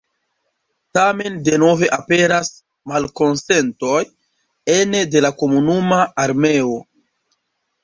Tamen denove aperas malkonsentoj ene de la komunuma armeo.